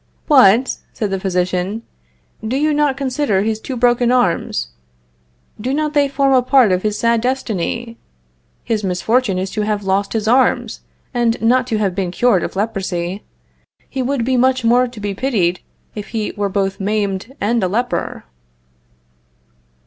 "What!" said the physician; "do not you consider his two broken arms? Do not they form a part of his sad destiny? His misfortune is to have lost his arms, and not to have been cured of leprosy. He would be much more to be pitied if he was both maimed and a leper."